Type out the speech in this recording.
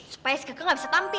supaya si kakak gak bisa tampil